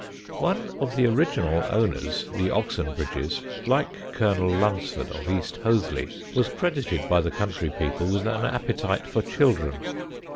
One of the original owners (the Oxenbridges) like Col. Lunsford of East Hoathly was credited by the country people with an appetite for children.